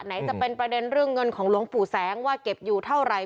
ไหนจะเป็นประเด็นเรื่องเงินของหลวงปู่แสงว่าเก็บอยู่เท่าไหร่